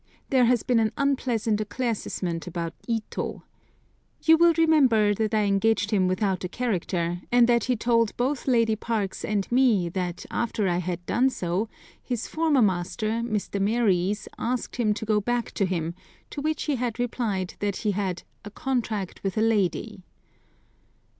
There has been an unpleasant éclaircissement about Ito. You will remember that I engaged him without a character, and that he told both Lady Parkes and me that after I had done so his former master, Mr. Maries, asked him to go back to him, to which he had replied that he had "a contract with a lady."